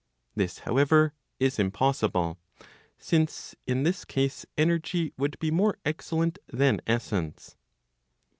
This however is impossible; since in this case, energy would be more excellent than essence.